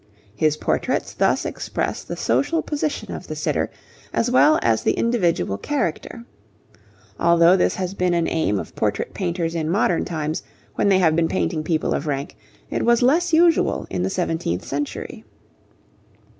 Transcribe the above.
His portraits thus express the social position of the sitter as well as the individual character. Although this has been an aim of portrait painters in modern times, when they have been painting people of rank, it was less usual in the seventeenth century.